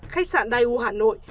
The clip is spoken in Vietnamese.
khách sạn dai u hà nội